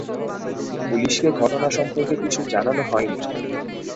পুলিশকে ঘটনা সম্পর্কে কিছু জানানো হয়নি।